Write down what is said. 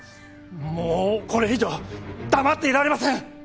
もうこれ以上黙っていられません！